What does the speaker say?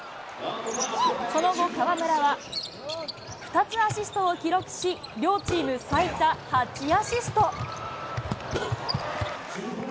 その後、河村は２つアシストを記録し、両チーム最多８アシスト。